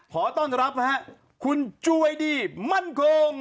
ขอต้อนรับนะฮะคุณจวยดีมั่นคง